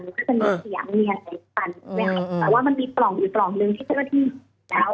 ถ้าเป็นทางเกี่ยวเนียนแต่ว่ามันมีปล่องอยู่ปล่องหนึ่งที่จะกระทิบแล้ว